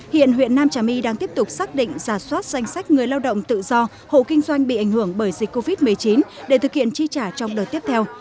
hiện huyện nam trà my đang tiếp tục xác định giả soát danh sách người lao động tự do hộ kinh doanh bị ảnh hưởng bởi dịch covid một mươi chín để thực hiện chi trả trong đợt tiếp theo